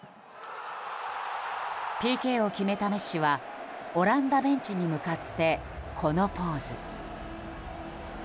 ＰＫを決めたメッシはオランダベンチに向かってこのポーズ。